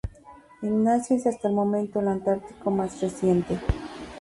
Ignacio es hasta el momento el antártico más reciente.